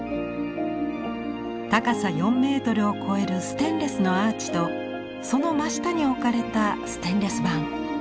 高さ４メートルを超えるステンレスのアーチとその真下に置かれたステンレス板。